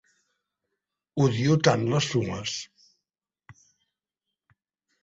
Odio tant les sumes!